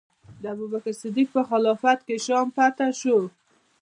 د ابوبکر صدیق په خلافت کې شام فتح شو.